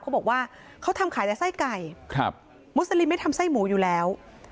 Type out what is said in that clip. เขาบอกว่าเขาทำขายแต่ไส้ไก่ครับมุสลิมไม่ทำไส้หมูอยู่แล้ว